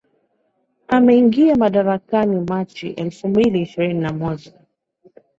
Ameingia madarakani Machi elfu mbili ishirini na moja